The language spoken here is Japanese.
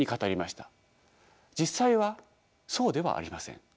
実際はそうではありません。